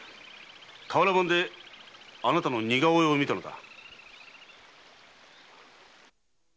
瓦版であなたの似顔絵を見たのだ。